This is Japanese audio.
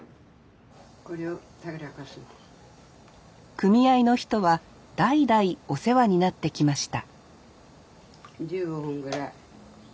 組合の人は代々お世話になってきました